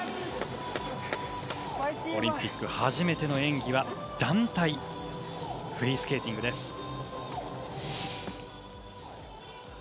オリンピック初めての演技は団体フリースケーティングです。